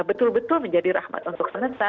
betul betul menjadi rahmat untuk sementara